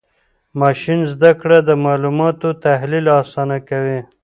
ماشین زده کړه د معلوماتو تحلیل آسانه کوي.